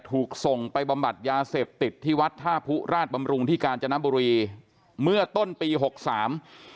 ถูกส่งไปบำบัดยาเสพติดที่วัดท่าผู้ราชบำรุงที่กาญจนบุรีเมื่อต้นปีหกสาม